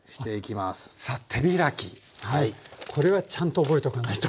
これはちゃんと覚えておかないと。